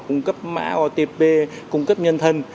cung cấp mã otp cung cấp nhân thân